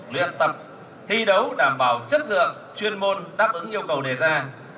luyện tập thi đấu đảm bảo chất lượng chuyên môn đáp ứng yêu cầu đề ra